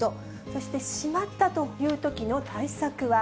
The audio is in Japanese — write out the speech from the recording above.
そしてしまったというときの対策は？